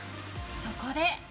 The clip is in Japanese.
そこで。